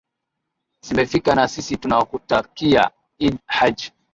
zimefika na sisi tunakutakia idd hajj